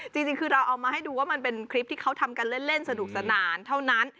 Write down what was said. จริงคือเราเอามาให้ดูว่ามันเป็นคลิปที่เขาทำกันเล่นสนุกสนานเท่านั้น